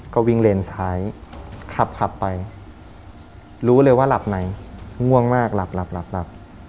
ก็วิ่งเลนซ้ายขับขับไปรู้เลยว่าหลับไหนง่วงมากหลับหลับ